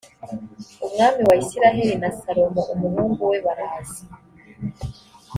umwami wa isirayeli na salomo umuhungu we baraza